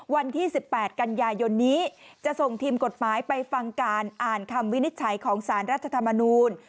วันที่๑๘กันยายนนี้จะส่งทีมกฎหมายไปฟังการอ่านคำวินิจฉัยของสารรัฐธรรมนูล